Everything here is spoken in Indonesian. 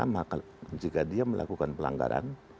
maka jika dia melakukan pelanggaran